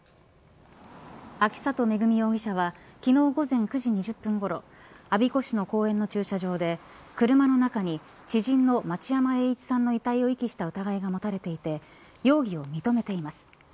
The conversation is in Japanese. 秋郷恵容疑者は昨日午前９時２０分ごろ我孫子市の公園の駐車場で車の中に知人の待山栄一さんの遺体を遺棄した疑いが持たれていて容疑を認めています。